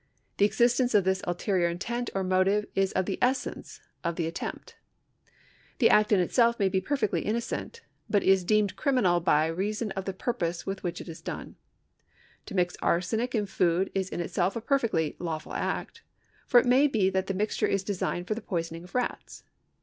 The existence of this ulterior in tent or motive is of the essence of the attempt. The act in itself may be perfectly innocent, but is deemed criminal by reason of the purpose with which it is done. To mix arsenic in food is in itself a perfectly lawful act, for it may be that the mixture is designed for the poisoning of rats.